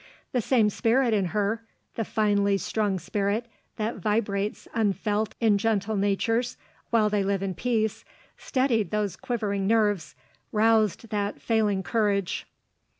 The same spirit in her the finely strung spirit that vibrates unfelt in gentle natures, while they live in peace steadied those quivering nerves, roused that failing courage.